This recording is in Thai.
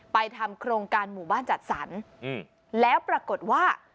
ทำโครงการหมู่บ้านจัดสรรแล้วปรากฏว่า